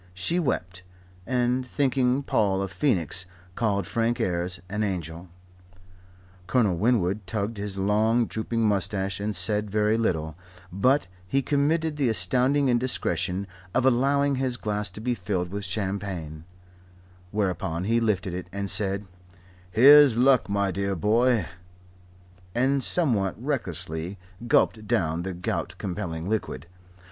She wept, and, thinking Paul a phoenix, called Frank Ayres an angel. Colonel Winwood tugged his long, drooping moustache and said very little; but he committed the astounding indiscretion of allowing his glass to be filled with champagne; whereupon he lifted it, and said, "Here's luck, my dear boy," and somewhat recklessly gulped down the gout compelling liquid.